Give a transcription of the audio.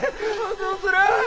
どうする？